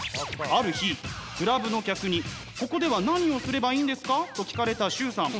ある日クラブの客に「ここでは何をすればいいんですか？」と聞かれた崇さん。